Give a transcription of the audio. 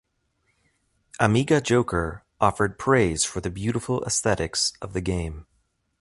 Amiga Joker offered praise for the beautiful aesthetics of the game.